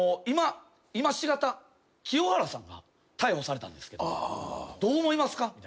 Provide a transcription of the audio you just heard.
「今しがた清原さんが逮捕されたんですけどどう思いますか？」